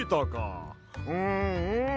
うんうん。